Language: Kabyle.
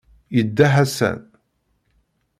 Yedda Ḥasan.